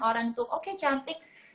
orang itu oke cantik